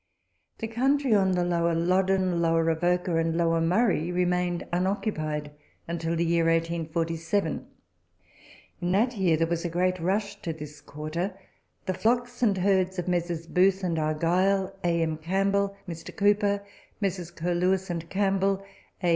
The country on the Lower Loddon, Lower Avoca, and Lower Murray, remained unoccupied until the year 1847. In that year there was a great rush to this quarter. The flocks arid herds of Messrs. Booth and Argyle, A. M. Campbell, Mr. Cowper, Messrs. Curlewis and Campbell, A.